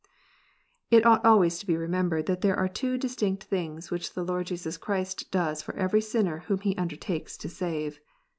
It ought always to be remembered that there are two distinct things which the Lord Jesus Christ does for every sinner whom He undertakes to save.